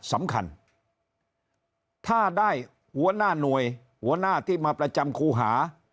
สำคัญถ้าได้หัวหน้าหน่วยหัวหน้าที่มาประจำครูหา